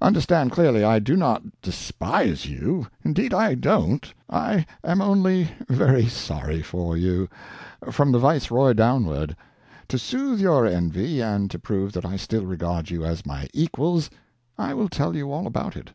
Understand clearly that I do not despise you; indeed, I don't. I am only very sorry for you, from the Viceroy downward. To soothe your envy and to prove that I still regard you as my equals, I will tell you all about it.